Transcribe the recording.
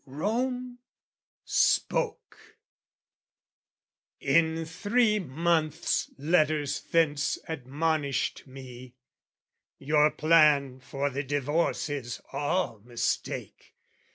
Rome spoke. In three months letters thence admonished me "Your plan for the divorce is all mistake.